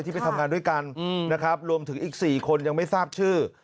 ไปทำงานด้วยกันนะครับรวมถึงอีก๔คนยังไม่ทราบชื่อ